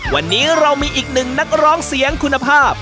วันนี้เรามีอีกหนึ่งนักร้องเสียงคุณภาพ